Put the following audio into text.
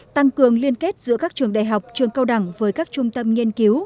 tăng cường liên kết giữa các trường đại học trường cao đẳng với các trung tâm nghiên cứu